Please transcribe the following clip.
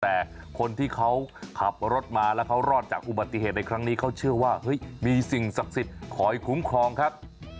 แต่คนที่เขาขับรถมาแล้วเขารอดจากอุบัติเหตุในครั้งนี้เขาเชื่อว่าเฮ้ยมีสิ่งศักดิ์สิทธิ์คอยคุ้มครองครับ